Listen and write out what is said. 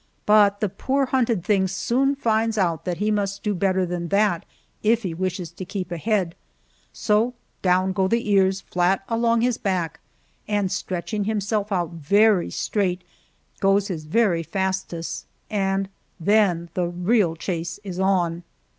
But the poor hunted thing soon finds out that he must do better than that if he wishes to keep ahead, so down go the ears, flat along his back, and stretching himself out very straight, goes his very fastest, and then the real chase is on.